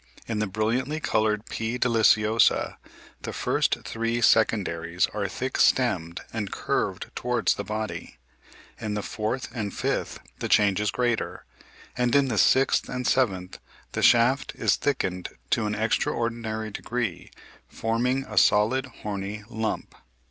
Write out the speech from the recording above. In the brilliantly coloured P. deliciosa the first three secondaries are thick stemmed and curved towards the body; in the fourth and fifth (Fig. 45, a) the change is greater; and in the sixth and seventh (b, c) the shaft "is thickened to an extraordinary degree, forming a solid horny lump."